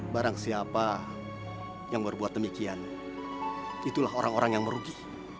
barang siapa yang berbuat demikian itulah orang orang yang merugi